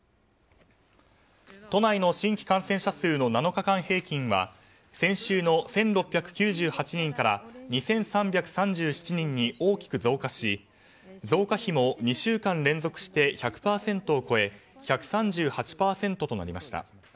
都内の新規感染者数の７日間平均は先週の１６９８人から２３３７人に大きく増加し増加比も２週間連続して１００％を超え１３８％となりました。